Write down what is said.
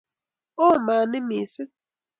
Oo maat ni missing'